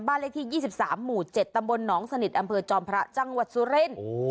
เลขที่๒๓หมู่๗ตำบลหนองสนิทอำเภอจอมพระจังหวัดสุรินทร์